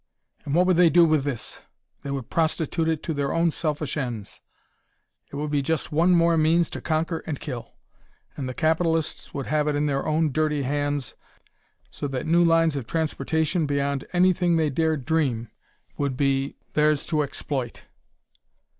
And what would they do with this? They would prostitute it to their own selfish ends; it would be just one more means to conquer and kill; and the capitalists would have it in their own dirty hands so that new lines of transportation beyond anything they dared dream would be theirs to exploit."